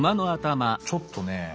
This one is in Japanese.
ちょっとね